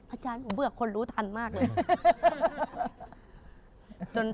อาจารย์ผมเบื่อคนรู้ทันมากเลย